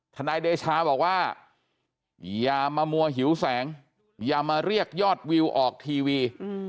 นายเดชาบอกว่าอย่ามามัวหิวแสงอย่ามาเรียกยอดวิวออกทีวี